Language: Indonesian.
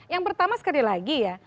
yang pertama sekali lagi ya